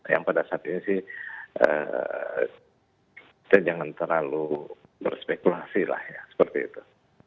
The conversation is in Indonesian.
yang pada saat ini sih kita jangan terlalu berspekulasi lah ya seperti itu